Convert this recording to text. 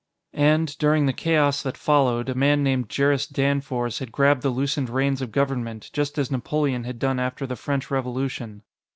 And, during the chaos that followed, a man named Jerris Danfors had grabbed the loosened reins of government just as Napoleon had done after the French Revolution.